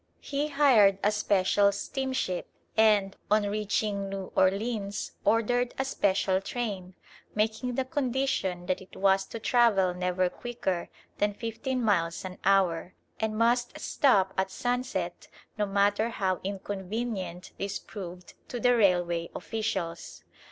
He hired a special steamship, and, on reaching New Orleans, ordered a special train, making the condition that it was to travel never quicker than fifteen miles an hour, and must stop at sunset, no matter how inconvenient this proved to the railway officials.